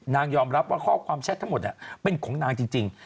ยอมรับว่าข้อความแชททั้งหมดเป็นของนางจริง